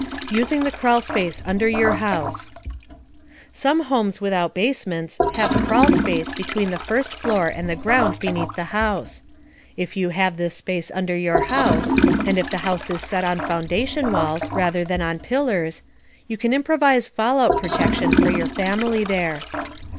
USING THE CRAWL SPACE UNDER YOUR HOUSE Some homes without basements have "crawl space" between the first floor and the ground underneath the house. If you have this space under your house and if the house is set on foundation walls, rather than on pillars you can improvise fallout protection for your family there.